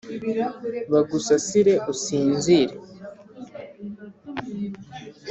Bagusasire usinzire